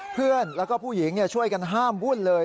เพื่อนและผู้หญิงช่วยกันห้ามบุญเลย